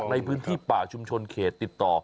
ในพื้นที่ป่าชุมชนเขตติดต่อ